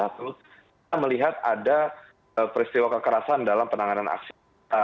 kita melihat ada peristiwa kekerasan dalam penanganan akses